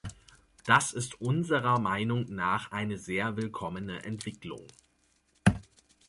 Das ist unserer Meinung nach eine sehr willkommene Entwicklung.